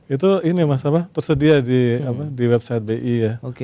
itu ini mas apa tersedia di website bi ya